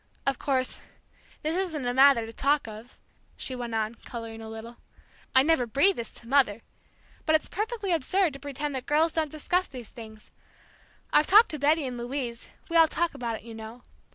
Of course, this isn't a matter to talk of," she went on, coloring a little. "I'd never breathe this to Mother! But it's perfectly absurd to pretend that girls don't discuss these things. I've talked to Betty and Louise we all talk about it, you know.